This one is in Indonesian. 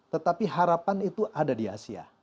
tetapi harapan itu ada di asia